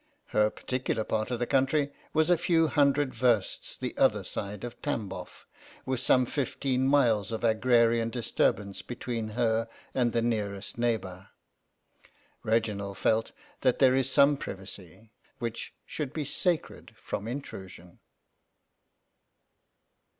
Her particular part of the country was a few hundred versts the other side of TambofF, with some fifteen miles of agrarian disturb ance between her and the nearest neighbour. Reginald felt that there is some privacy which should be sacred from intrusion.